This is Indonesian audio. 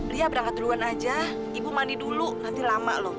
ria berangkat duluan aja ibu mandi dulu nanti lama loh